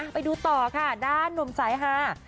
ไปดูต่อค่ะด้านหนุ่มสายฮา